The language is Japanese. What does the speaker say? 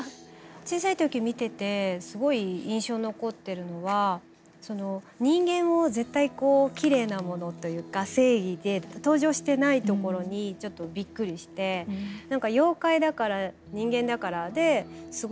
小さい時見ててすごい印象に残ってるのは人間を絶対こうきれいなものというか正義で登場してないところにちょっとびっくりして何か妖怪だから人間だからです